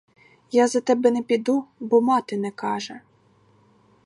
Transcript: Я за тебе не піду, бо мати не каже.